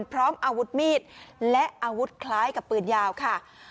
พร้อมอาวุธมีดและอาวุธคล้ายกับปืนยาวค่ะ